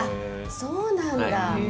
そうなんだ。